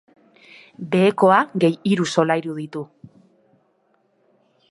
Behekoa gehi hiru solairu ditu.